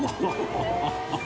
ハハハハ。